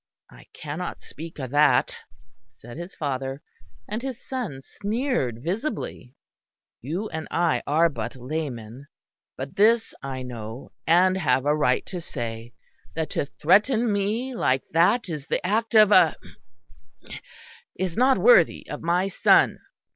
"I cannot speak of that," said his father; and his son sneered visibly; "you and I are but laymen; but this I know, and have a right to say, that to threaten me like that is the act of a is not worthy of my son.